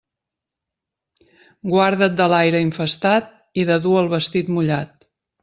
Guarda't de l'aire infestat i de dur vestit mullat.